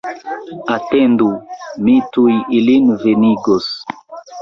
Atendu, mi tuj ilin venigos!